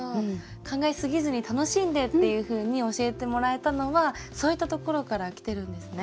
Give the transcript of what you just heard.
考えすぎずに楽しんでっていうふうに教えてもらえたのはそういったところからきてるんですね。